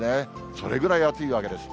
それぐらい暑いわけです。